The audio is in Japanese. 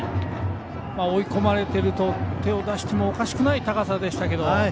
追い込まれていると手を出してもおかしくない高さですが。